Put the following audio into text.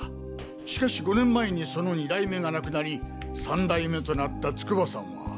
しかし５年前にその二代目が亡くなり三代目となった筑波さんは。